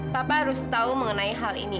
papa harus tahu mengenai hal ini